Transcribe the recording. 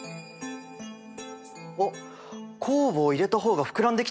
おっ酵母を入れた方が膨らんできた！